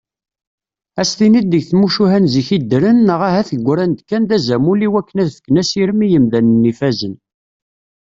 Ad s-tiniḍ deg tmucuha n zik i ddren neɣ ahat ggran-d kan d azamul iwakken ad ffken asirem i yimdanen ifazen.